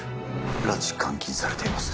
拉致監禁されています